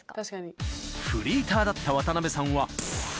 ［フリーターだった渡辺さんは］